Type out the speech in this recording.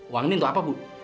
uang ini untuk apa bu